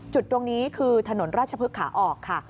จุดตรงนี้คือถนนราชพฤกษาออกค่ะ